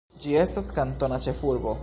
Ĝi estas kantona ĉefurbo.